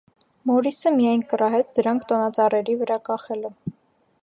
Մորրիսը միայն կռահեց դրանք տոնածառերի վրա կախելը։